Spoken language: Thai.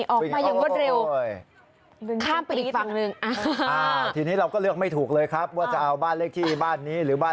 โอ้โฮนี่ออกมาอย่างบ้นเร็ว